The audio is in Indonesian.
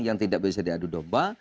yang tidak bisa diadu domba